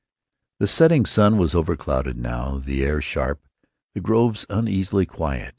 The setting sun was overclouded, now; the air sharp; the grove uneasily quiet.